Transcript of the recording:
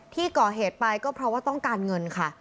ที่ก่อเหตุไปก็เพราะว่าต้องการเงินค่ะ